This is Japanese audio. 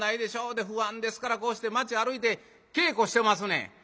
で不安ですからこうして街歩いて稽古してますねん」。